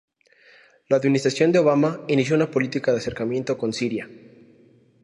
La administración de Obama inició una política de acercamiento con Siria.